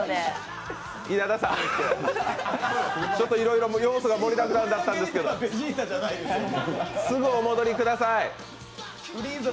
稲田さん、いろいろ要素が盛りだくさんだったんですけど、すぐお戻りください。